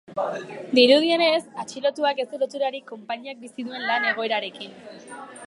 Dirudienez, atxilotuak ez du loturarik konpainiak bizi duen lan egoerarekin.